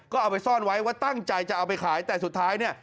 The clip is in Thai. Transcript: ก็เอาไปซ่อนไว้ว่าตั้งใจจะเอาไปขายแต่สุดท้ายเนี่ย